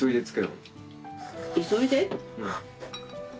急いで？